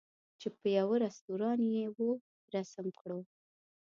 چې په یوه رستوران یې وو رسم کړو.